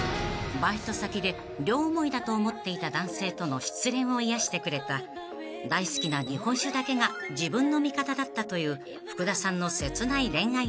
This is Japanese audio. ［バイト先で両思いだと思っていた男性との失恋を癒やしてくれた大好きな日本酒だけが自分の味方だったという福田さんの切ない恋愛エピソード］